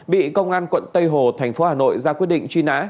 bị công an quận tây hồ thành phố hà nội ra quyết định truy nã